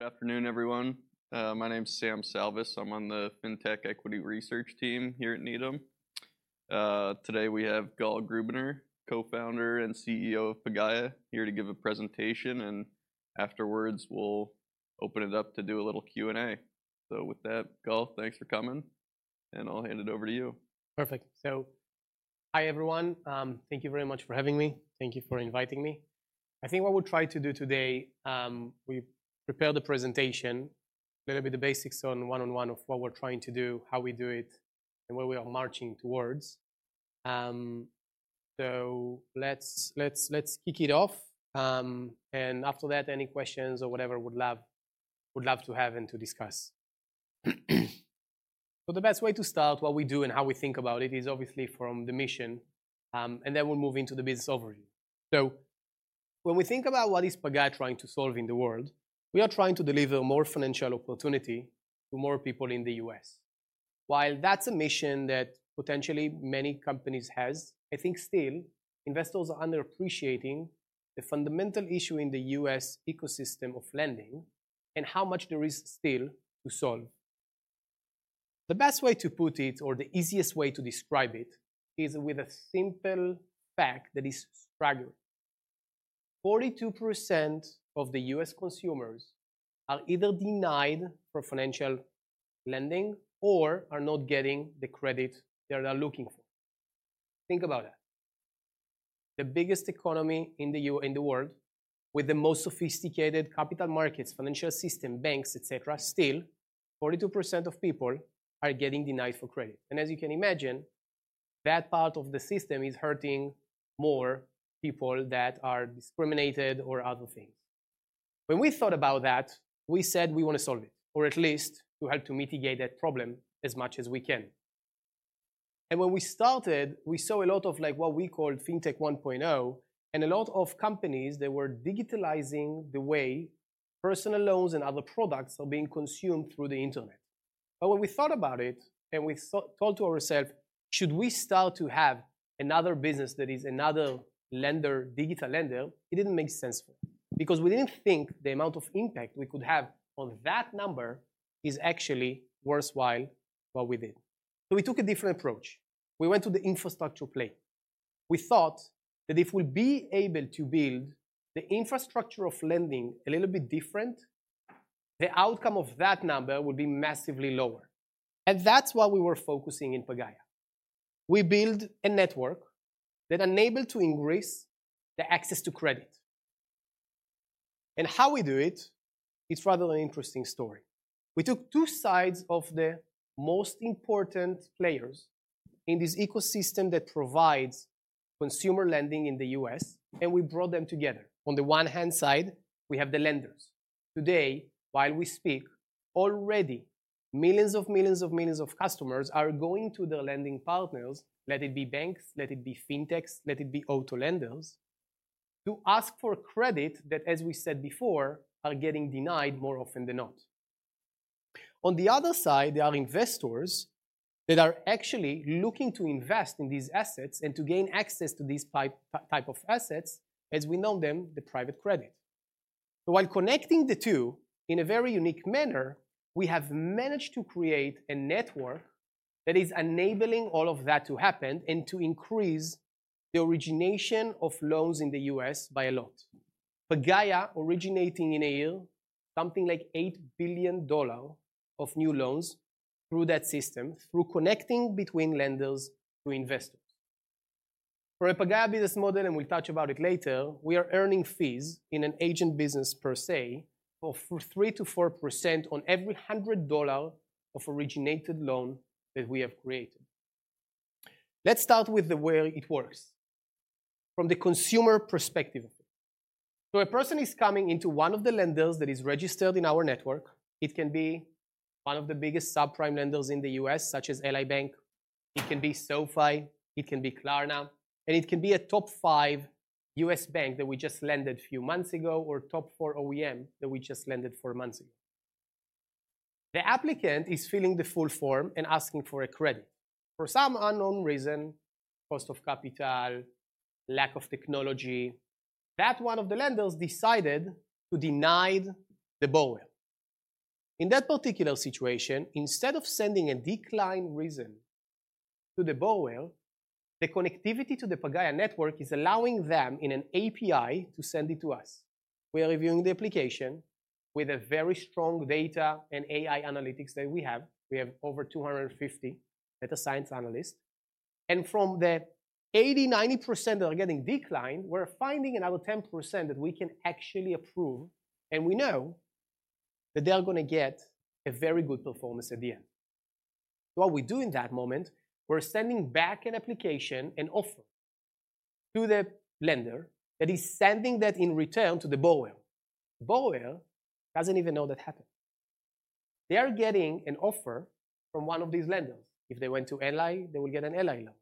Good afternoon, everyone. My name is Sam Salvas. I'm on the Fintech Equity Research team here at Needham. Today we have Gal Krubiner, co-founder and CEO of Pagaya, here to give a presentation, and afterwards we'll open it up to do a little Q&A. So with that, Gal, thanks for coming, and I'll hand it over to you. Perfect. So hi, everyone. Thank you very much for having me. Thank you for inviting me. I think what we'll try to do today, we've prepared a presentation, a little bit the basics on one-on-one of what we're trying to do, how we do it, and where we are marching towards. So let's kick it off, and after that, any questions or whatever, would love to have and to discuss. So the best way to start what we do and how we think about it is obviously from the mission, and then we'll move into the business overview. So when we think about what is Pagaya trying to solve in the world, we are trying to deliver more financial opportunity to more people in the U.S. While that's a mission that potentially many companies has, I think still investors are underappreciating the fundamental issue in the U.S. ecosystem of lending and how much there is still to solve. The best way to put it, or the easiest way to describe it, is with a simple fact that is staggering: 42% of the U.S. consumers are either denied for financial lending or are not getting the credit they are looking for. Think about that. The biggest economy in the U.S. in the world, with the most sophisticated capital markets, financial system, banks, et cetera, still, 42% of people are getting denied for credit. And as you can imagine, that part of the system is hurting more people that are discriminated or other things. When we thought about that, we said we want to solve it, or at least to help to mitigate that problem as much as we can. And when we started, we saw a lot of like what we called Fintech 1.0, and a lot of companies that were digitalizing the way personal loans and other products are being consumed through the internet. But when we thought about it and we thought to ourselves, "Should we start to have another business that is another lender, digital lender?" It didn't make sense for it, because we didn't think the amount of impact we could have on that number is actually worthwhile what we did. So we took a different approach. We went to the infrastructure play. We thought that if we'll be able to build the infrastructure of lending a little bit different, the outcome of that number would be massively lower, and that's what we were focusing in Pagaya. We build a network that enabled to increase the access to credit. How we do it is rather an interesting story. We took two sides of the most important players in this ecosystem that provides consumer lending in the U.S., and we brought them together. On the one hand side, we have the lenders. Today, while we speak, already millions of millions of millions of customers are going to their lending partners, let it be banks, let it be fintechs, let it be auto lenders, to ask for credit that, as we said before, are getting denied more often than not. On the other side, there are investors that are actually looking to invest in these assets and to gain access to these type of assets, as we know them, the private credit. So while connecting the two in a very unique manner, we have managed to create a network that is enabling all of that to happen and to increase the origination of loans in the U.S. by a lot. Pagaya originating in a year, something like $8 billion of new loans through that system, through connecting between lenders to investors. For a Pagaya business model, and we'll touch about it later, we are earning fees in an agent business per se, of 3%-4% on every $100 of originated loan that we have created. Let's start with the way it works from the consumer perspective. So a person is coming into one of the lenders that is registered in our network. It can be one of the biggest subprime lenders in the U.S., such as Ally Bank; it can be SoFi; it can be Klarna; and it can be a top 5 U.S. bank that we just lent to a few months ago or top 4 OEM that we just lent to 4 months ago. The applicant is filling the full form and asking for a credit. For some unknown reason, cost of capital, lack of technology, that one of the lenders decided to deny the borrower. In that particular situation, instead of sending a decline reason to the borrower, the connectivity to the Pagaya network is allowing them, in an API, to send it to us. We are reviewing the application with a very strong data and AI analytics that we have. We have over 250 data science analysts. From that, 80%-90% are getting declined, we're finding another 10% that we can actually approve, and we know that they are gonna get a very good performance at the end. What we do in that moment, we're sending back an application, an offer, to the lender that is sending that in return to the borrower. Borrower doesn't even know that happened. They are getting an offer from one of these lenders. If they went to Ally, they will get an Ally loan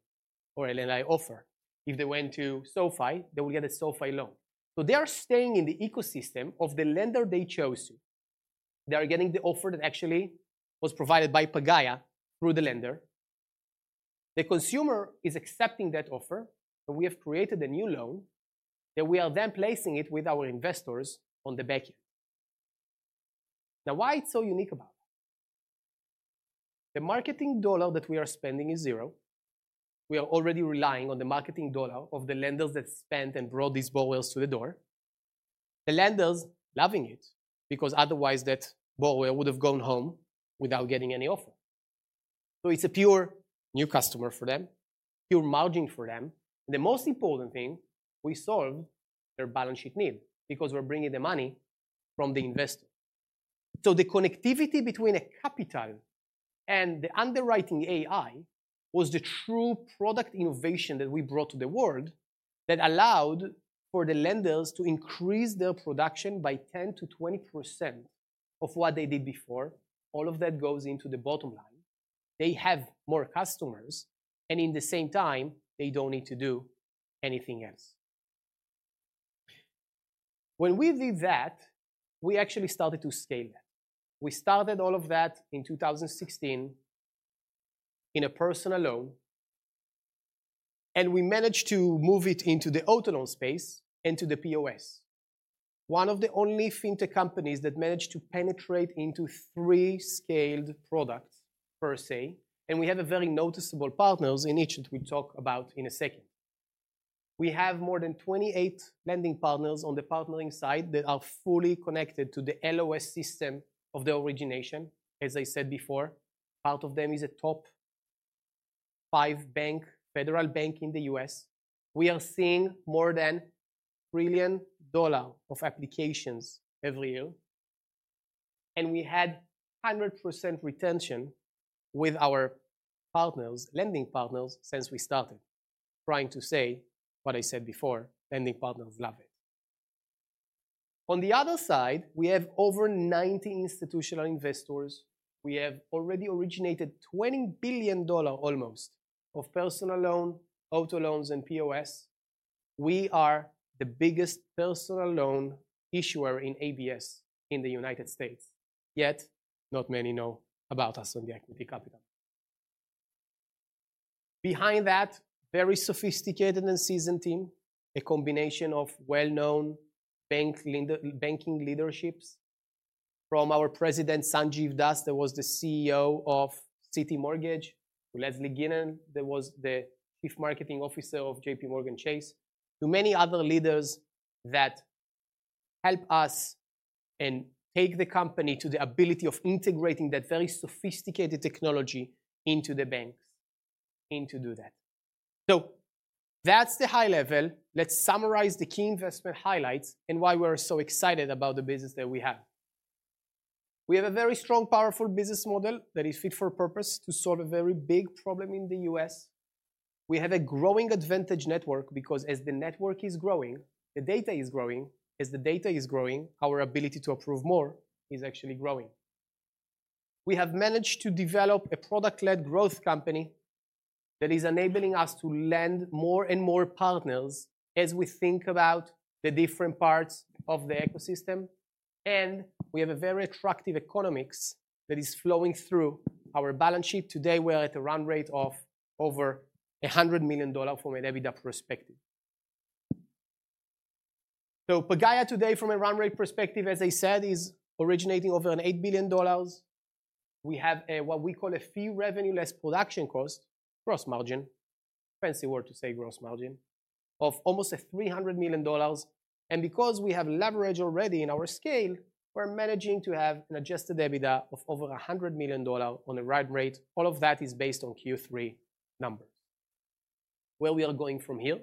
or an Ally offer. If they went to SoFi, they will get a SoFi loan. So they are staying in the ecosystem of the lender they chose to. They are getting the offer that actually was provided by Pagaya through the lender-... The consumer is accepting that offer, and we have created a new loan, and we are then placing it with our investors on the back end. Now, why it's so unique about it? The marketing dollar that we are spending is zero. We are already relying on the marketing dollar of the lenders that spent and brought these borrowers to the door. The lenders loving it, because otherwise that borrower would have gone home without getting any offer. So it's a pure new customer for them, pure margin for them, and the most important thing, we solve their balance sheet need because we're bringing the money from the investor. So the connectivity between a capital and the underwriting AI was the true product innovation that we brought to the world, that allowed for the lenders to increase their production by 10%-20% of what they did before. All of that goes into the bottom line. They have more customers, and in the same time, they don't need to do anything else. When we did that, we actually started to scale that. We started all of that in 2016 in a personal loan, and we managed to move it into the auto loan space and to the POS. One of the only fintech companies that managed to penetrate into three scaled products, per se, and we have very notable partners in each that we talk about in a second. We have more than 28 lending partners on the partnering side that are fully connected to the LOS system of the origination. As I said before, part of them is a top five bank, federal bank in the US. We are seeing more than $1 trillion of applications every year, and we had 100% retention with our partners, lending partners, since we started. Trying to say what I said before, lending partners love it. On the other side, we have over 90 institutional investors. We have already originated almost $20 billion of personal loan, auto loans, and POS. We are the biggest personal loan issuer in ABS in the United States, yet not many know about us on the equity capital. Behind that, very sophisticated and seasoned team, a combination of well-known bank lender-banking leaderships from our President, Sanjiv Das, that was the CEO of Citi Mortgage, to Leslie Gillin, that was the Chief Marketing Officer of JPMorgan Chase, to many other leaders that help us and take the company to the ability of integrating that very sophisticated technology into the banks and to do that. So that's the high level. Let's summarize the key investment highlights and why we're so excited about the business that we have. We have a very strong, powerful business model that is fit for purpose to solve a very big problem in the U.S. We have a growing advantage network, because as the network is growing, the data is growing. As the data is growing, our ability to approve more is actually growing. We have managed to develop a product-led growth company that is enabling us to lend more and more partners as we think about the different parts of the ecosystem, and we have a very attractive economics that is flowing through our balance sheet. Today, we're at a run rate of over $100 million from an EBITDA perspective. So Pagaya today, from a run rate perspective, as I said, is originating over $8 billion. We have a, what we call a fee revenue less production cost, gross margin, fancy word to say, gross margin, of almost $300 million, and because we have leverage already in our scale, we're managing to have an adjusted EBITDA of over $100 million on a run rate. All of that is based on Q3 numbers. Where we are going from here?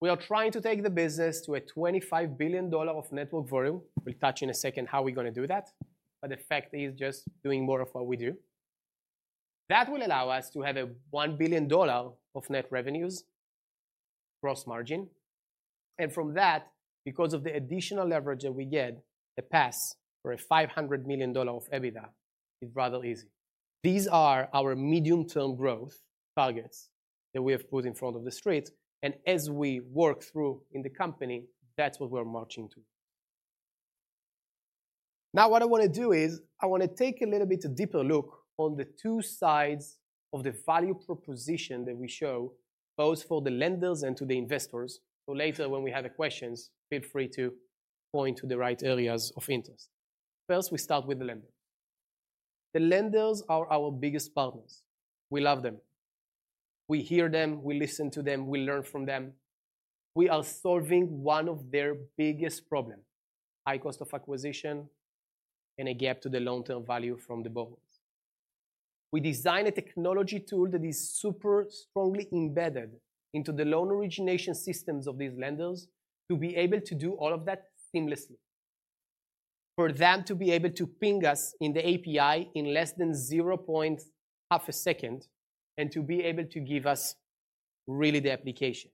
We are trying to take the business to a $25 billion of network volume. We'll touch in a second how we're gonna do that, but the fact is just doing more of what we do. That will allow us to have a $1 billion of net revenues, gross margin, and from that, because of the additional leverage that we get, a pass for a $500 million of EBITDA is rather easy. These are our medium-term growth targets that we have put in front of the street, and as we work through in the company, that's what we're marching to. Now, what I want to do is, I want to take a little bit a deeper look on the two sides of the value proposition that we show, both for the lenders and to the investors. So later, when we have questions, feel free to point to the right areas of interest. First, we start with the lender. The lenders are our biggest partners. We love them. We hear them, we listen to them, we learn from them. We are solving one of their biggest problem, high cost of acquisition and a gap to the long-term value from the borrowers. We design a technology tool that is super strongly embedded into the loan origination systems of these lenders to be able to do all of that seamlessly. For them to be able to ping us in the API in less than 0.5 second, and to be able to give us really the application.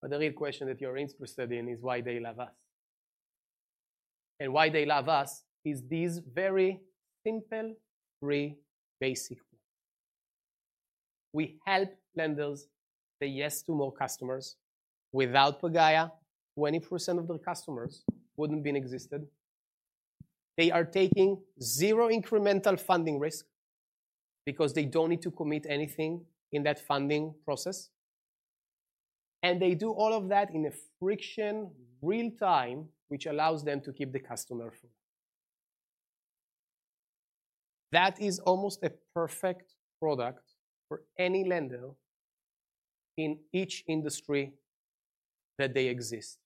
But the real question that you are interested in is why they love us. And why they love us is these very simple, three basic points. We help lenders say yes to more customers. Without Pagaya, 20% of their customers wouldn't be in existence. They are taking 0 incremental funding risk because they don't need to commit anything in that funding process, and they do all of that in a frictionless real-time, which allows them to keep the customer. That is almost a perfect product for any lender in each industry that they exist,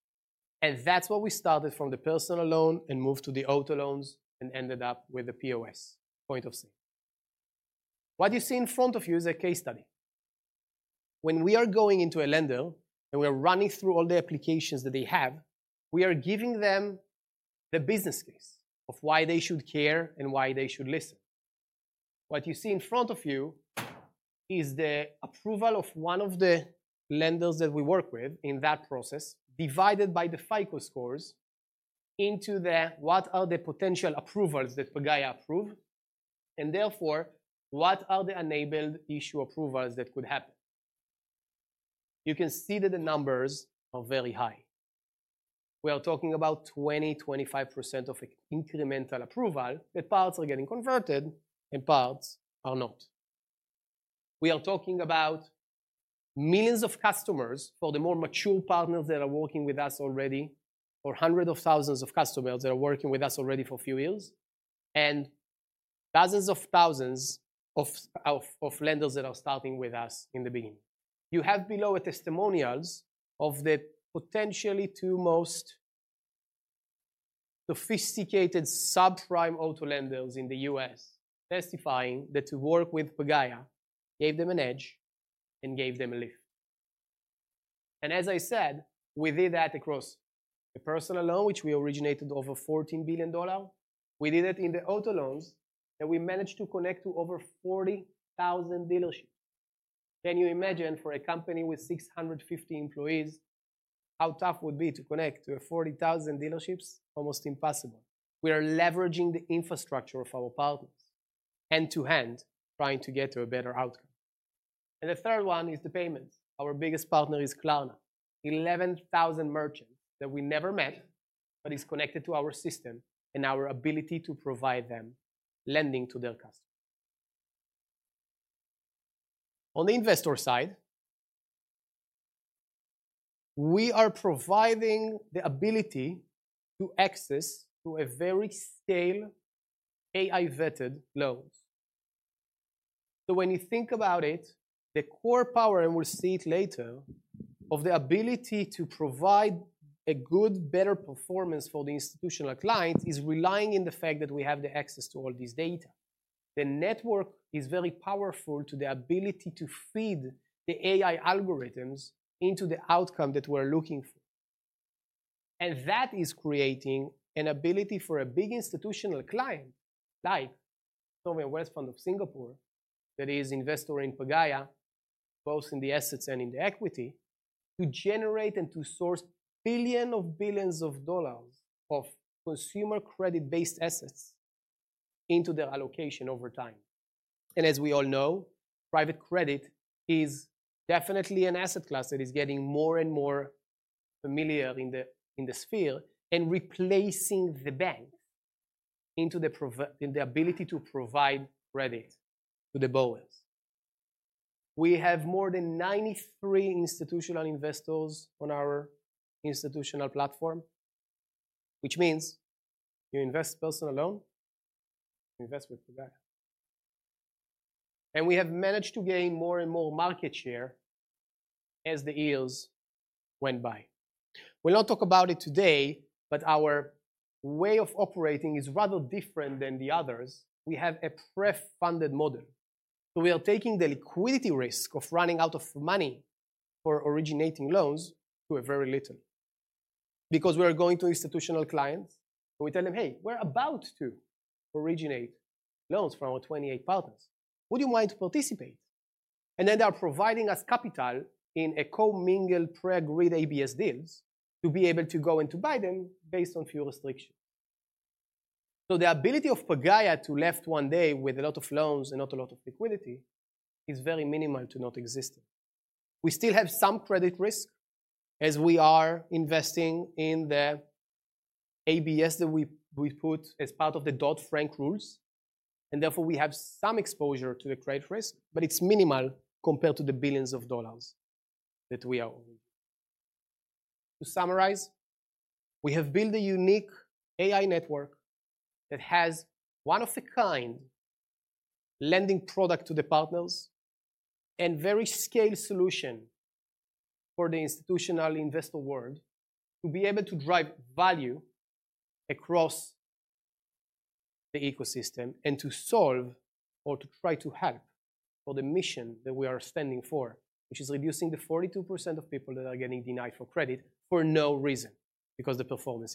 and that's what we started from the personal loan and moved to the auto loans, and ended up with the POS, point of sale. What you see in front of you is a case study. When we are going into a lender, and we are running through all the applications that they have, we are giving them the business case of why they should care and why they should listen. What you see in front of you is the approval of one of the lenders that we work with in that process, divided by the FICO scores into the, what are the potential approvals that Pagaya approved, and therefore, what are the enabled issue approvals that could happen? You can see that the numbers are very high. We are talking about 20-25% of incremental approval, that parts are getting converted and parts are not. We are talking about millions of customers for the more mature partners that are working with us already, or hundreds of thousands of customers that are working with us already for a few years, and thousands of thousands of lenders that are starting with us in the beginning. You have below are testimonials of the potentially two most sophisticated subprime auto lenders in the U.S., testifying that to work with Pagaya gave them an edge and gave them a lift. And as I said, we did that across the personal loan, which we originated over $14 billion. We did it in the auto loans, and we managed to connect to over 40,000 dealerships. Can you imagine, for a company with 650 employees, how tough it would be to connect to 40,000 dealerships? Almost impossible. We are leveraging the infrastructure of our partners, hand to hand, trying to get to a better outcome. And the third one is the payments. Our biggest partner is Klarna. Eleven thousand merchants that we never met, but is connected to our system and our ability to provide them lending to their customers. On the investor side, we are providing the ability to access to a very scalable AI-vetted loans. So when you think about it, the core power, and we'll see it later, of the ability to provide a good, better performance for the institutional clients, is relying on the fact that we have the access to all this data. The network is very powerful to the ability to feed the AI algorithms into the outcome that we're looking for. And that is creating an ability for a big institutional client, like Temasek sovereign wealth fund of Singapore, that is investor in Pagaya, both in the assets and in the equity, to generate and to source billions of dollars of consumer credit-based assets into their allocation over time. As we all know, private credit is definitely an asset class that is getting more and more familiar in the, in the sphere, and replacing the bank into the prov-- in the ability to provide credit to the borrowers. We have more than 93 institutional investors on our institutional platform, which means you invest personal loan, you invest with Pagaya. And we have managed to gain more and more market share as the years went by. We'll not talk about it today, but our way of operating is rather different than the others. We have a pre-funded model, so we are taking the liquidity risk of running out of money for originating loans to a very little. Because we are going to institutional clients, and we tell them, "Hey, we're about to originate loans from our 28 partners. “Would you mind to participate?” And then they are providing us capital in a co-mingled pre-agreed ABS deals to be able to go and to buy them based on few restrictions. So the ability of Pagaya to left one day with a lot of loans and not a lot of liquidity is very minimal to not existing. We still have some credit risk as we are investing in the ABS that we put as part of the Dodd-Frank rules, and therefore, we have some exposure to the credit risk, but it's minimal compared to the billions of dollars that we are owing. To summarize, we have built a unique AI network that has one of a kind lending product to the partners, and very scale solution for the institutional investor world to be able to drive value across the ecosystem and to solve or to try to help for the mission that we are standing for, which is reducing the 42% of people that are getting denied for credit for no reason, because the performance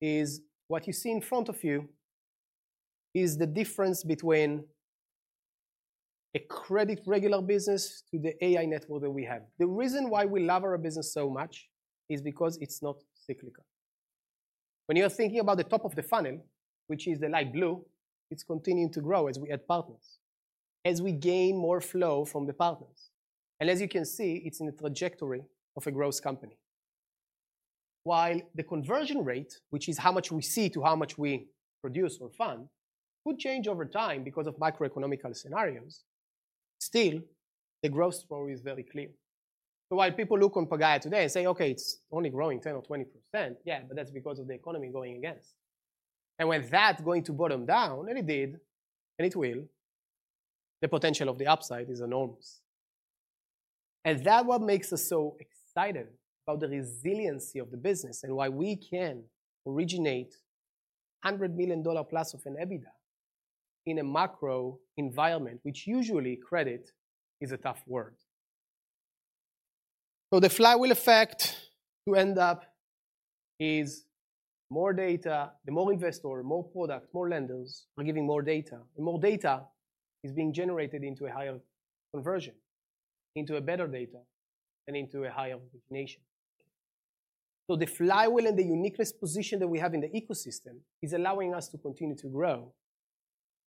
is. What you see in front of you is the difference between a credit regular business to the AI network that we have. The reason why we love our business so much is because it's not cyclical. When you are thinking about the top of the funnel, which is the light blue, it's continuing to grow as we add partners, as we gain more flow from the partners. As you can see, it's in the trajectory of a growth company. While the conversion rate, which is how much we see to how much we produce or fund, could change over time because of microeconomic scenarios, still, the growth story is very clear. So while people look on Pagaya today and say, "Okay, it's only growing 10% or 20%," yeah, but that's because of the economy going against. And when that's going to bottom down, and it did, and it will, the potential of the upside is enormous. And that what makes us so excited about the resiliency of the business, and why we can originate $100 million plus of an EBITDA in a macro environment, which usually credit is a tough word. So the flywheel effect to end up is more data. The more investor, more product, more lenders are giving more data, and more data is being generated into a higher conversion, into a better data, and into a higher origination. So the flywheel and the uniqueness position that we have in the ecosystem is allowing us to continue to grow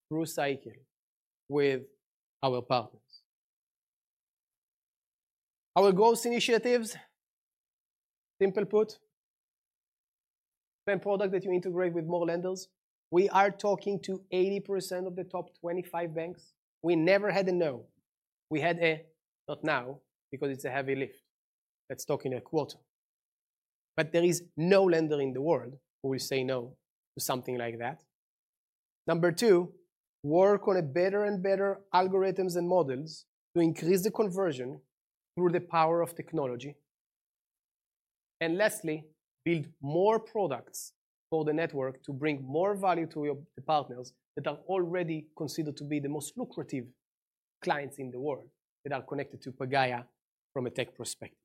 through cycle with our partners. Our growth initiatives, simple put, same product that you integrate with more lenders. We are talking to 80% of the top 25 banks. We never had a no. We had a, "Not now," because it's a heavy lift. Let's talk in a quarter. But there is no lender in the world who will say no to something like that. Number two, work on a better and better algorithms and models to increase the conversion through the power of technology. And lastly, build more products for the network to bring more value to your, the partners that are already considered to be the most lucrative clients in the world, that are connected to Pagaya from a tech perspective.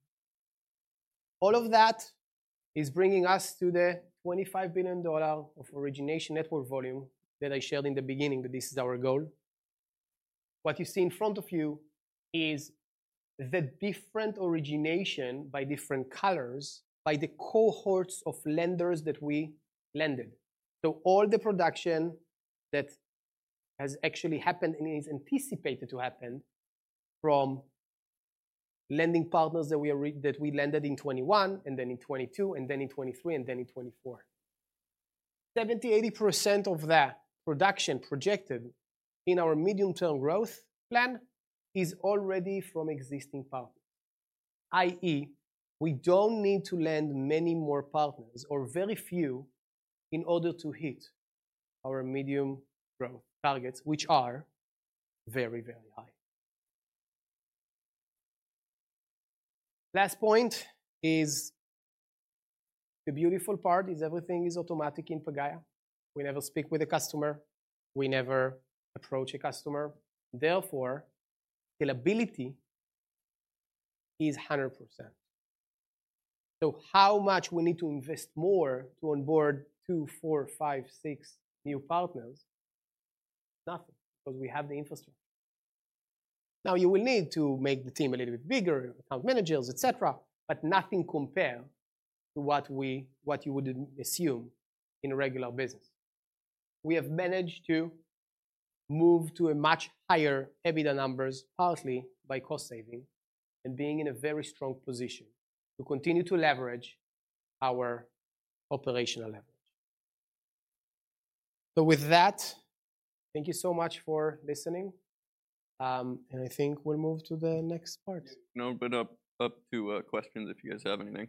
All of that is bringing us to the $25 billion of origination network volume that I shared in the beginning, that this is our goal. What you see in front of you is the different origination by different colors, by the cohorts of lenders that we lended. So all the production that has actually happened and is anticipated to happen from lending partners that we lended in 2021, and then in 2022, and then in 2023, and then in 2024. 70%-80% of that production projected in our medium-term growth plan is already from existing partners, i.e., we don't need to add many more partners or very few in order to hit our medium growth targets, which are very, very high. Last point is... the beautiful part is everything is automatic in Pagaya. We never speak with a customer, we never approach a customer, therefore, scalability is 100%. So how much we need to invest more to onboard 2, 4, 5, 6 new partners? Nothing, because we have the infrastructure. Now, you will need to make the team a little bit bigger, account managers, et cetera, but nothing compared to what you would assume in a regular business. We have managed to move to a much higher EBITDA numbers, partly by cost saving and being in a very strong position to continue to leverage our operational leverage. With that, thank you so much for listening, and I think we'll move to the next part. No, but up to questions if you guys have anything.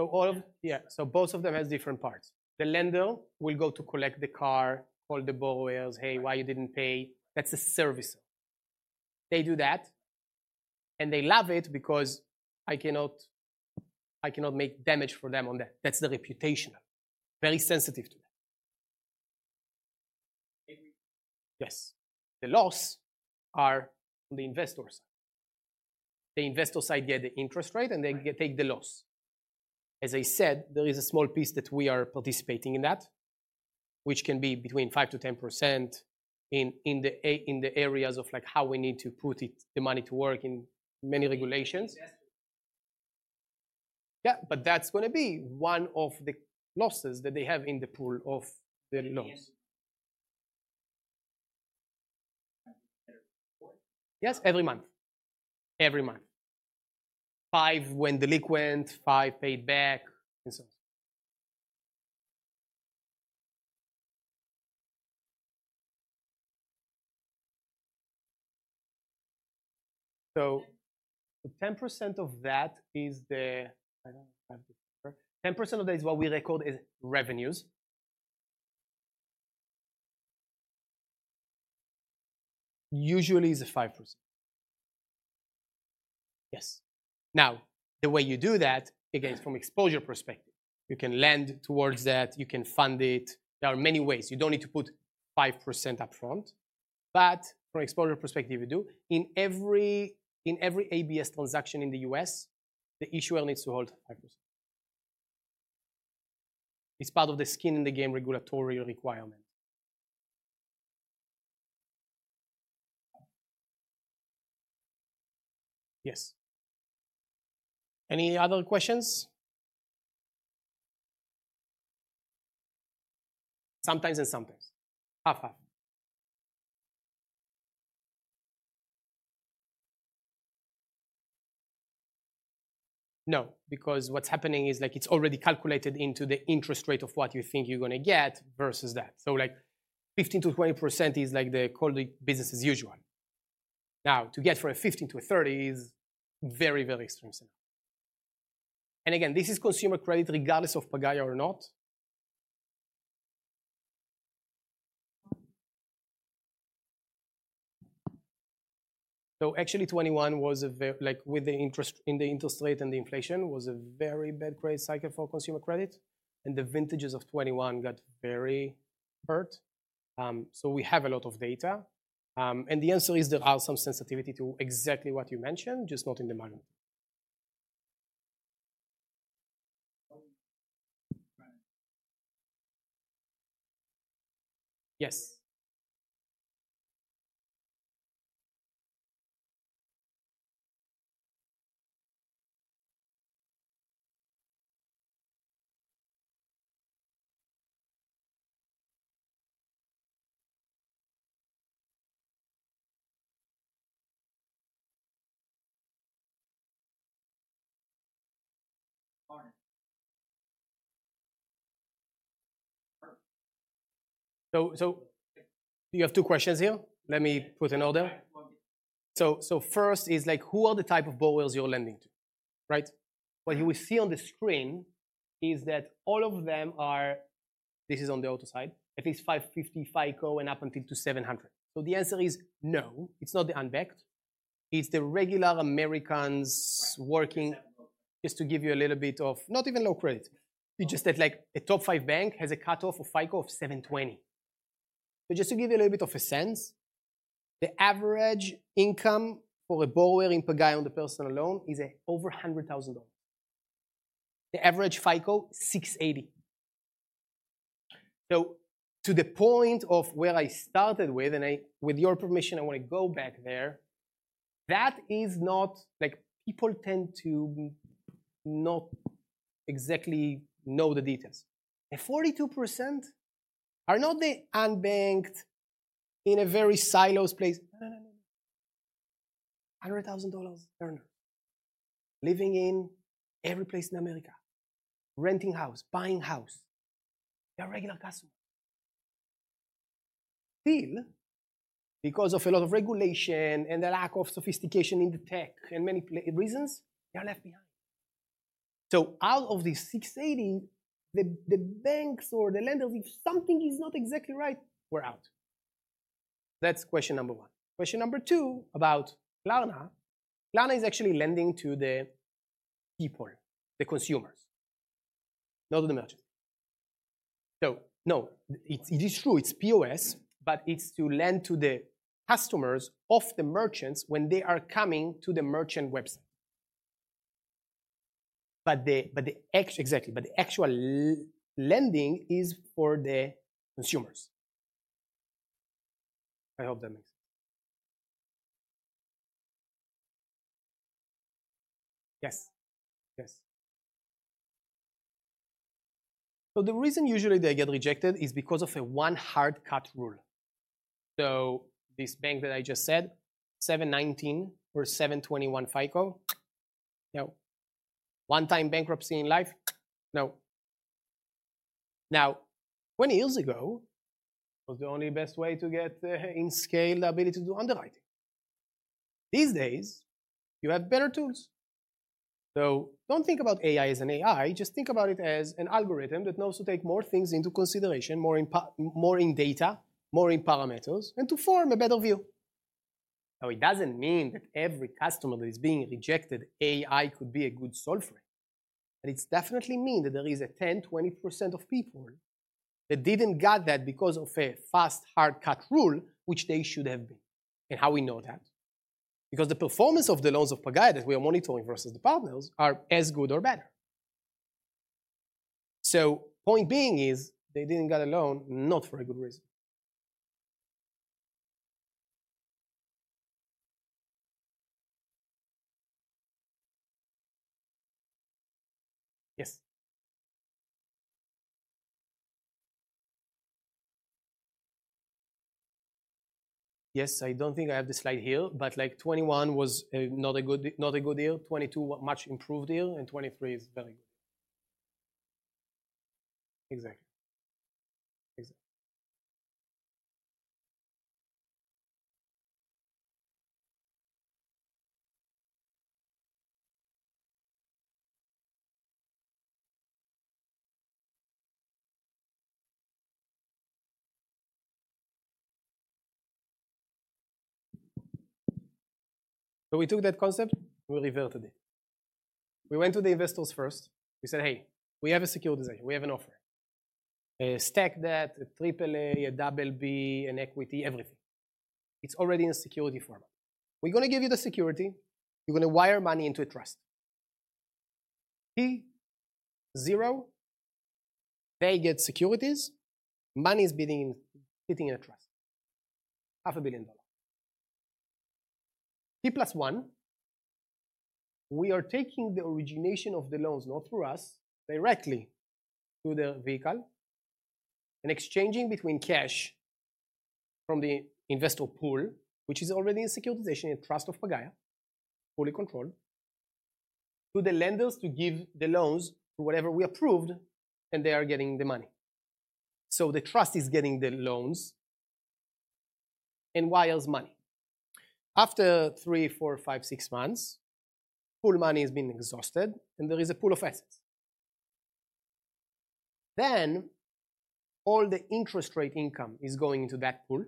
So all of... yeah, so both of them has different parts. The lender will go to collect the car, call the borrowers, "Hey, why you didn't pay?" That's a service. They do that, and they love it because I cannot, I cannot make damage for them on that. That's the reputational. Very sensitive to that. And yes, the loss are on the investor side. The investor side, they get the interest rate, and they get, take the loss. As I said, there is a small piece that we are participating in that, which can be between 5%-10% in the areas of, like, how we need to put it, the money to work in many regulations. Investors. Yeah, but that's gonna be one of the losses that they have in the pool of their loans. Yes. Yes, every month. Every month. 5 went delinquent, 5 paid back, and so on. So 10% of that is the I don't have the paper. 10% of that is what we record as revenues usually is a 5%. Yes. Now, the way you do that, again, from exposure perspective, you can lend towards that, you can fund it. There are many ways. You don't need to put 5% upfront, but from exposure perspective, you do. In every ABS transaction in the U.S., the issuer needs to hold 5%. It's part of the skin in the game regulatory requirement. Yes. Any other questions? Sometimes and sometimes. Half, half. No, because what's happening is, like, it's already calculated into the interest rate of what you think you're gonna get versus that. So like 15%-20% is like the call the business as usual. Now, to get from a 15 to a 30 is very, very extreme scenario. And again, this is consumer credit, regardless of Pagaya or not. So actually, 2021 was a very, like, with the interest, in the interest rate and the inflation, was a very bad credit cycle for consumer credit, and the vintages of 2021 got very hurt. So we have a lot of data. And the answer is, there are some sensitivity to exactly what you mentioned, just not in the model. Yes. So, so you have two questions here. Let me put in order. Right. So first is like, who are the type of borrowers you're lending to, right? What you will see on the screen is that all of them are, this is on the auto side, at least 550 FICO and up to 700. So the answer is no, it's not the unbanked. It's the regular Americans- Right. Working. Just to give you a little bit of... Not even low credit. It's just that, like, a top five bank has a cutoff of FICO of 720. But just to give you a little bit of a sense, the average income for a borrower in Pagaya on the personal loan is over $100,000. The average FICO, 680. So to the point of where I started with, and I—with your permission, I want to go back there, that is not—like, people tend to not exactly know the details. The 42% are not the unbanked in a very silos place. No, no, no, no. $100,000 earner, living in every place in America, renting house, buying house. They are regular customer. Still, because of a lot of regulation and the lack of sophistication in the tech and many reasons, they are left behind. So out of the 680, the banks or the lenders, if something is not exactly right, we're out. That's question number one. Question number two about Klarna. Klarna is actually lending to the people, the consumers, not the merchants. So no, it is true, it's POS, but it's to lend to the customers of the merchants when they are coming to the merchant website. But the actual Exactly, but the actual lending is for the consumers. I hope that makes sense. Yes. Yes. So the reason usually they get rejected is because of a one hard-cut rule. So this bank that I just said, 719 or 721 FICO, no. One-time bankruptcy in life, no. Now, 20 years ago, was the only best way to get the in scale ability to do underwriting. These days, you have better tools. So don't think about AI as an AI, just think about it as an algorithm that knows to take more things into consideration, more in data, more in parameters, and to form a better view. Now, it doesn't mean that every customer that is being rejected, AI could be a good solve for it, but it's definitely mean that there is a 10%-20% of people that didn't get that because of a fast, hard-cut rule, which they should have been. And how we know that? Because the performance of the loans of Pagaya that we are monitoring versus the partners are as good or better. So point being is, they didn't get a loan, not for a good reason. Yes. Yes, I don't think I have the slide here, but like 2021 was not a good, not a good year. 2022, much improved year, and 2023 is very good. Exactly. Exactly. So we took that concept, we reverted it. We went to the investors first. We said, "Hey, we have a securitization, we have an offer, a stack debt, a triple A, a double B, an equity, everything. It's already in security format. We're gonna give you the security, you're gonna wire money into a trust." T+0, they get securities, money is being sitting in a trust, $500 million. T+1, we are taking the origination of the loans, not through us, directly to the vehicle, and exchanging between cash from the investor pool, which is already in securitization, a trust of Pagaya, fully controlled, to the lenders to give the loans to whatever we approved, and they are getting the money. So the trust is getting the loans and wires money. After 3, 4, 5, 6 months, pool money has been exhausted, and there is a pool of assets. Then, all the interest rate income is going into that pool,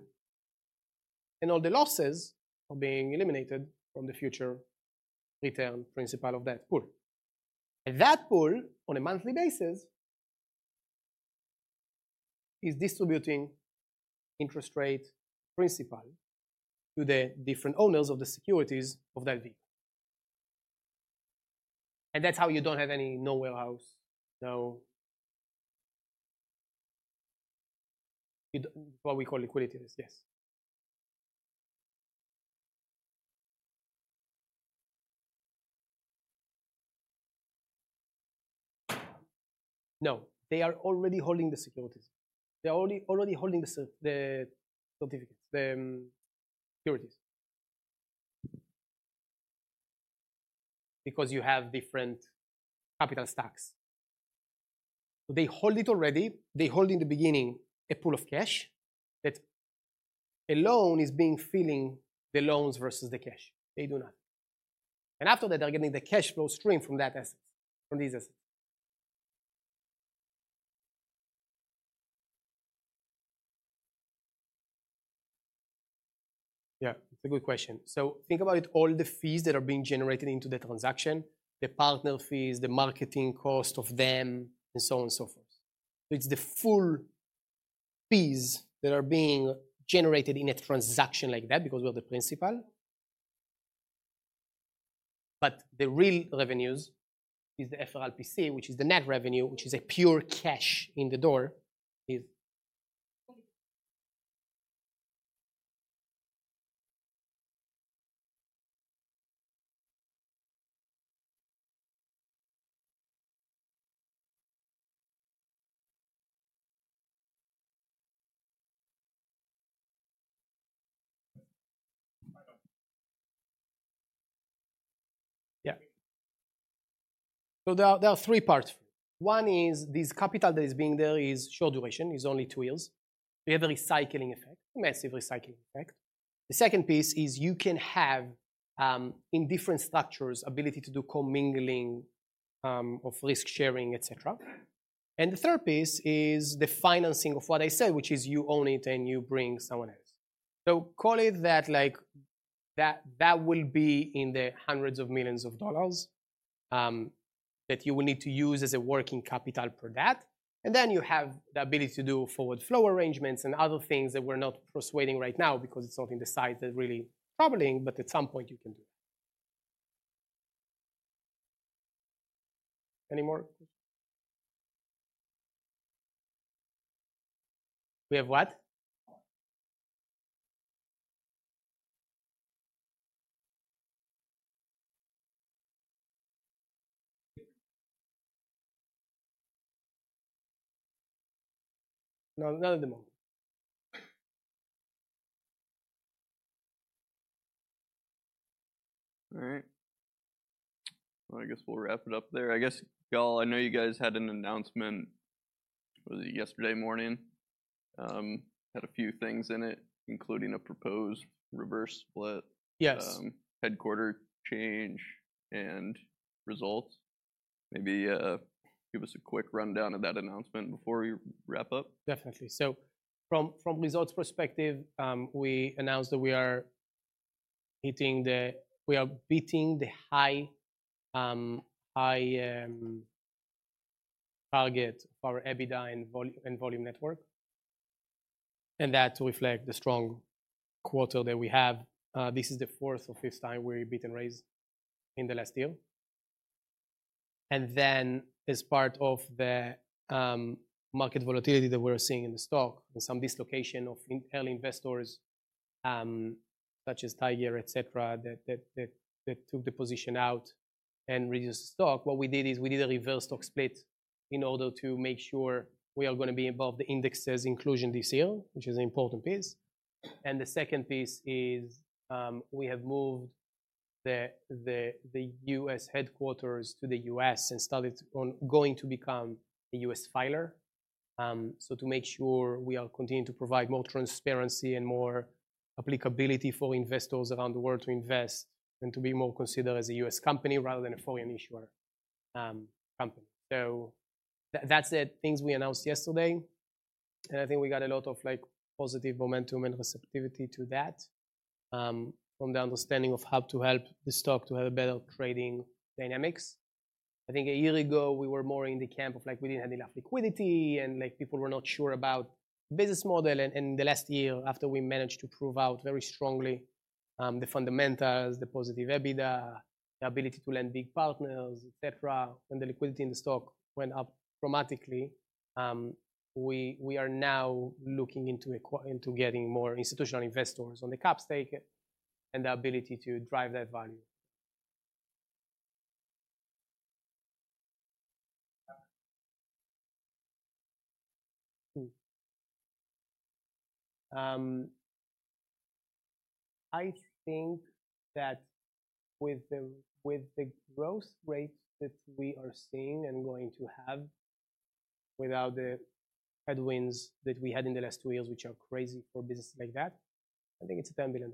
and all the losses are being eliminated from the future return principal of that pool. And that pool, on a monthly basis, is distributing interest rate principal to the different owners of the securities of that vehicle. And that's how you don't have any warehouse, no what we call liquidities, yes. No, they are already holding the securities. They're already holding the certificates, the securities. Because you have different capital stacks. So they hold it already, they hold in the beginning a pool of cash, that a loan is being filling the loans versus the cash. They do not. And after that, they're getting the cash flow stream from that assets, from these assets. Yeah, it's a good question. So think about it, all the fees that are being generated into the transaction, the partner fees, the marketing cost of them, and so on and so forth. So it's the full fees that are being generated in a transaction like that because of the principal, but the real revenues is the FRLPC, which is the net revenue, which is a pure cash in the door. Yeah. So there are three parts. One is, this capital that is being there is short duration, is only two years. We have a recycling effect, massive recycling effect. The second piece is you can have, in different structures, ability to do commingling, of risk sharing, et cetera. And the third piece is the financing of what I said, which is you own it and you bring someone else. So call it that, like, that, that will be in the hundreds of millions of dollars, that you will need to use as working capital for that. And then you have the ability to do forward flow arrangements and other things that we're not persuading right now because it's not in the size that really troubling, but at some point you can do that. Any more questions? We have what? No, not at the moment. All right. I guess we'll wrap it up there. I guess, y'all, I know you guys had an announcement, was it yesterday morning? had a few things in it, including a proposed reverse split- Yes. Headquarters change and results. Maybe, give us a quick rundown of that announcement before we wrap up. Definitely. So from results perspective, we announced that we are beating the high target for EBITDA and volume and network, and that reflect the strong quarter that we have. This is the fourth or fifth time we've beaten rates in the last year. And then, as part of the market volatility that we're seeing in the stock and some dislocation of early investors, such as Tiger, et cetera, that took the position out and reduced stock, what we did is, we did a reverse stock split in order to make sure we are gonna be above the indexes inclusion this year, which is an important piece. And the second piece is, we have moved the U.S. headquarters to the U.S. and started going to become a U.S. filer. So to make sure we are continuing to provide more transparency and more applicability for investors around the world to invest, and to be more considered as a U.S. company rather than a foreign issuer, company. So that, that's the things we announced yesterday, and I think we got a lot of, like, positive momentum and receptivity to that, from the understanding of how to help the stock to have a better trading dynamics. I think a year ago, we were more in the camp of, like, we didn't have enough liquidity, and, like, people were not sure about business model. In the last year, after we managed to prove out very strongly the fundamentals, the positive EBITDA, the ability to lend big partners, et cetera, and the liquidity in the stock went up dramatically, we are now looking into getting more institutional investors on the cap table and the ability to drive that value. I think that with the growth rates that we are seeing and going to have, without the headwinds that we had in the last two years, which are crazy for businesses like that, I think it's a $10 billion-